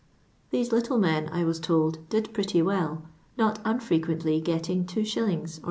These little men, I was told, did pretty well, not unfroqueutly getting 2^. or '2s.